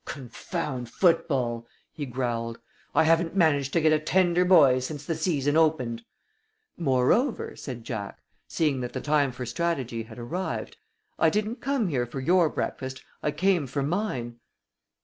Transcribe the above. "Confound football!" he growled. "I haven't managed to get a tender boy since the season opened." "Moreover," said Jack, seeing that the time for strategy had arrived, "I didn't come here for your breakfast, I came for mine."